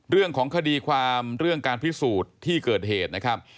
เรื่องของคดีความเรื่องการพิสูจน์ที่เกิดเหตุนะครับ